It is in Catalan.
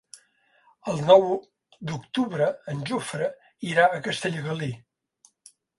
El nou d'octubre en Jofre irà a Castellgalí.